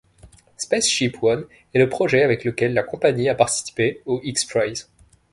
SpaceShipOne est le projet avec lequel la compagnie a participé au X-Prize.